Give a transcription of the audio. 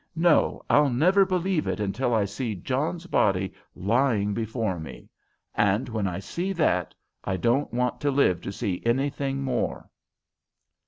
"No, I'll never believe it until I see John's body lying before me. And when I see that, I don't want to live to see anything more."